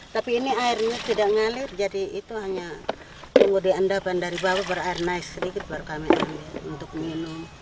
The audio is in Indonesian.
tapi ini airnya tidak ngalir jadi itu hanya tunggu di endapan dari bawah berair naik sedikit baru kami untuk minum